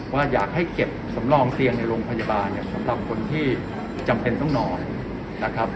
ว่าอยากให้เก็บสำรองเตียงในโรงพยาบาลเนี่ยสำหรับคนที่จำเป็นต้องนอนนะครับ